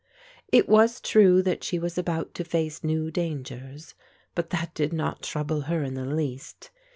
It was true that she was about to face new dangers; but that did not trouble her in the least.